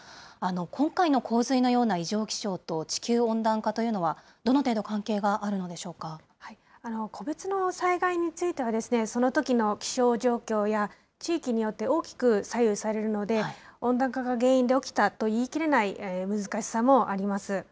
今回の洪水のような異常気象と地球温暖化というのは、ど個別の災害については、そのときの気象状況や地域によって大きく左右されるので、温暖化が原因で起きたと言い切れない難しさもあります。